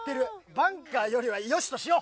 バンカーよりはよしとしよう。